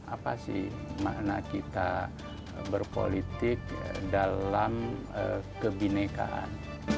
apa sih makna kita berpolitik dalam kebinekaan